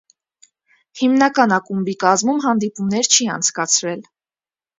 Հիմնական ակումբի կազմում հանդիպումներ չի անցկացրել։